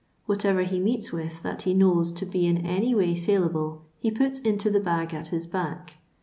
Whatever he meets with that ho knows to be in any way saleable he puts into the bag at his back.